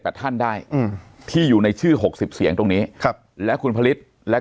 ท่านได้อืมที่อยู่ในชื่อหกสิบเสียงตรงนี้ครับและคุณผลิตและ